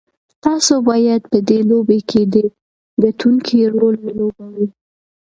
تاسو بايد په دې لوبه کې د ګټونکي رول ولوبوئ.